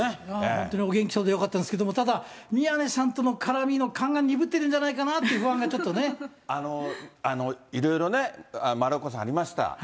本当にお元気そうでよかったですけれども、ただ、宮根さんとの絡みの勘が鈍ってるんじゃないかなっていう不安がちいろいろね、丸岡さんありました。